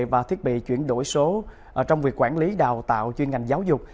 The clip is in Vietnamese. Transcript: và thiết bị chuyển đổi số trong việc quản lý đào tạo chuyên ngành giáo dục